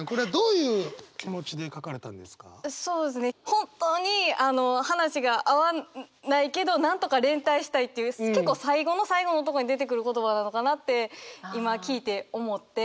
本当に話が合わないけどなんとか連帯したいっていう結構最後の最後のとこに出てくる言葉なのかなって今聞いて思って。